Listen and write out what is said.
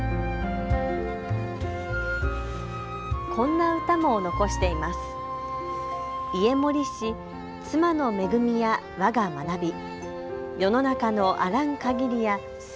こんな歌も残しています。